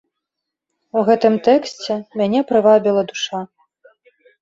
У гэтым тэксце мяне прывабіла душа.